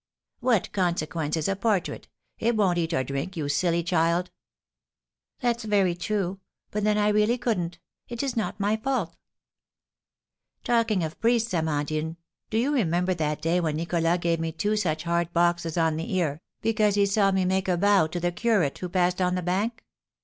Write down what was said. "What consequence is a portrait? It won't eat or drink, you silly child!" "That's very true; but then I really couldn't. It is not my fault." "Talking of priests, Amandine, do you remember that day when Nicholas gave me two such hard boxes on the ear, because he saw me make a bow to the curate, who passed on the bank?